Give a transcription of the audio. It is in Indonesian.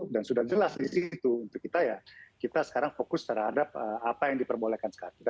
dan sudah jelas disitu untuk kita ya kita sekarang fokus terhadap apa yang diperbolehkan sekarang